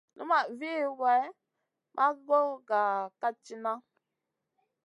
Numaʼ vi way maʼ goy ga kat tina.